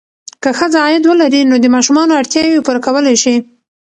که ښځه عاید ولري، نو د ماشومانو اړتیاوې پوره کولی شي.